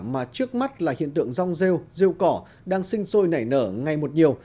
mà trước mắt là hiện tượng rong rêu rêu cỏ đang sinh sôi nảy nở ngay một nhiều